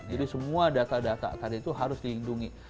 jadi semua data data tadi itu harus dihidungi